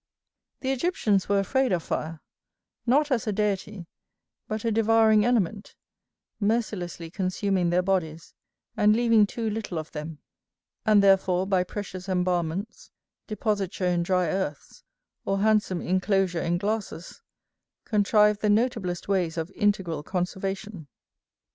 The Egyptians were afraid of fire, not as a deity, but a devouring element, mercilessly consuming their bodies, and leaving too little of them; and therefore by precious embalmments, depositure in dry earths, or handsome inclosure in glasses, contrived the notablest ways of integral conservation.